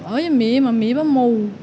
ở dưới mỹ mà mỹ bà mù